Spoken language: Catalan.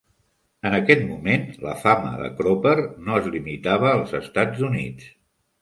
En aquest moment, la fama de Cropper no es limitava als Estats Units.